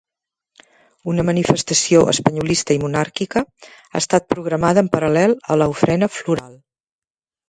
Una manifestació espanyolista i monàrquica ha estat programada en paral·lel a l'ofrena floral.